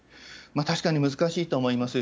確かに難しいと思います。